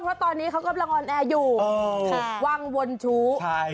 เพราะตอนนี้เขากำลังออนแอร์อยู่ถูกวางวนชู้